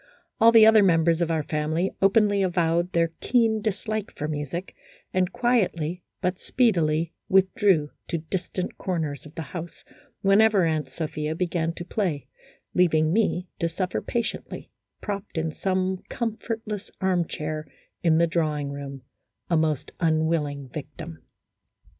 All the other members of our family openly avowed their keen dislike for music, and quietly but speedily withdrew to distant corners of the house whenever Aunt Sophia began to play, leaving me to suffer patiently, propped in some comfortless armchair in the drawing room, a most unwilling victim.